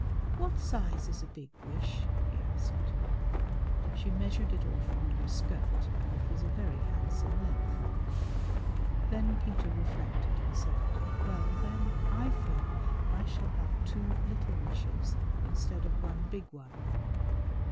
"What size is a big wish?" he asked. She measured it off on her skirt and it was a very handsome length. Then Peter reflected and said, "Well, then, I think I shall have two little wishes instead of one big one."